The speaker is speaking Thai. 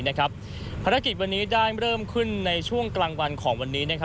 ภารกิจวันนี้ได้เริ่มขึ้นในช่วงกลางวันของวันนี้